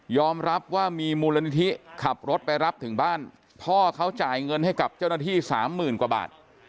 รับว่ามีมูลนิธิขับรถไปรับถึงบ้านพ่อเขาจ่ายเงินให้กับเจ้าหน้าที่สามหมื่นกว่าบาท